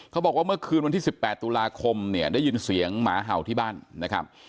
บอกว่าเมื่อคืนวันที่๑๘ตุลาคมเนี่ยได้ยินเสียงหมาเห่าที่บ้านนะครับ